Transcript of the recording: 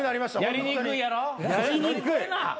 ・やりにくい。